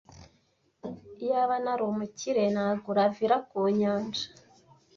Iyaba nari umukire, nagura villa ku nyanja.